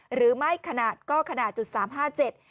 หรือไม่ขนาดก็ขนาด๐๓๕๗